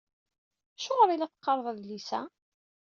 Acuɣer i la teqqareḍ adlis-a?